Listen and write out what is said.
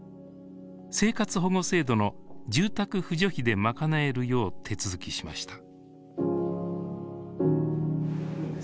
生活保護制度の住宅扶助費で賄えるよう手続きしました。